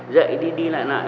dậy đi đi lại lại